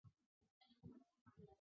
严仁美出生于上海。